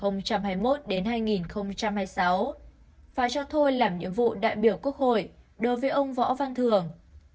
phải cho thôi làm nhiệm vụ đại biểu quốc hội đối với ông võ văn thường